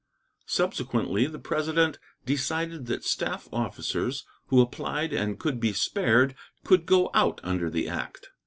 Subsequently the President decided that staff officers who applied and could be spared could go out under the act.